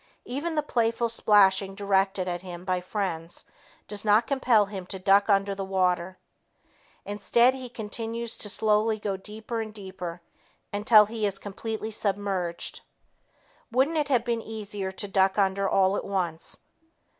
Even the playful splashing directed at him by friends does not compel him to duck under the water. Instead, he continues to slowly go deeper and deeper until he is completely submerged. Wouldn't it have been easier to duck under all at once?